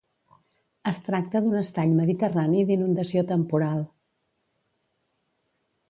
Es tracta d'un estany mediterrani d’inundació temporal.